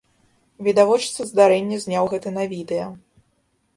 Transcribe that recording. Відавочца здарэння зняў гэта на відэа.